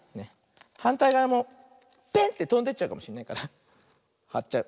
はんたいがわもペンってとんでっちゃうかもしれないからはっちゃう。